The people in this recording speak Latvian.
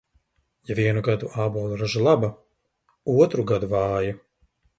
Ja vienu gadu ābolu raža laba, otru gadu vāja.